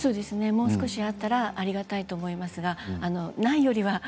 もう少しあったらありがたいと思いますけれどもないよりはまず